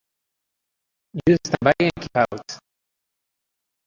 You stand by and keep out!